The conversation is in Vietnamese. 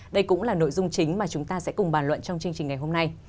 đây cũng là nội dung chính mà chúng ta sẽ cùng bàn luận trong chương trình ngày hôm nay